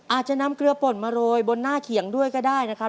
อาจจะนำเกลือป่นมาโรยบนหน้าเขียงด้วยก็ได้นะครับ